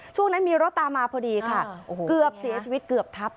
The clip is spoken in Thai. ช่วงนั้นมีรถตามมาพอดีค่ะเกือบเสียชีวิตเกือบทับ